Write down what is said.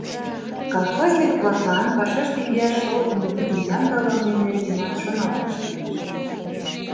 Колхозник-влаклан пашаште йӱаш шолтымо вӱдым ямдылыме нергенат шоналташ кӱлеш.